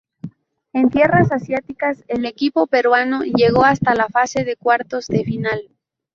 En tierras asiáticas, el equipo peruano llegó hasta la fase de cuartos de final.